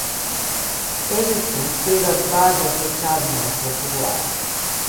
Ене сум сега в баџа со чад ме оклопуваат.